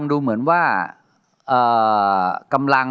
โปรดติดตามต่อไป